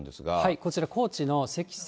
こちら、高知の積算